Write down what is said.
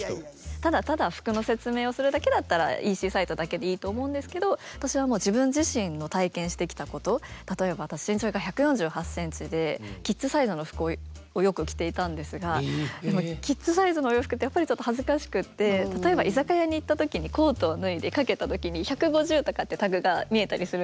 ただただ服の説明をするだけだったらＥＣサイトだけでいいと思うんですけど私はもう自分自身の体験してきたこと例えば私身長が１４８センチでキッズサイズの服をよく着ていたんですがでもキッズサイズのお洋服ってやっぱりちょっと恥ずかしくって例えば居酒屋に行った時にコートを脱いで掛けた時に１５０とかってタグが見えたりするんですよ。